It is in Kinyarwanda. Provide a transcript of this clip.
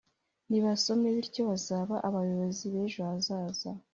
nibasome bityo bazabe abayobozi b’ejo hazaza